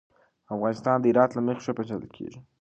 افغانستان د هرات له مخې ښه پېژندل کېږي.